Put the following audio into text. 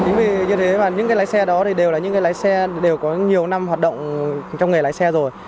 chính vì như thế mà những cái lái xe đó thì đều là những cái lái xe đều có nhiều năm hoạt động trong nghề lái xe rồi